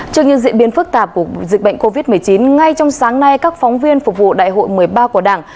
trước những diễn biến phức tạp của dịch bệnh covid một mươi chín ngay trong sáng nay các phóng viên phục vụ đại hội một mươi ba của đảng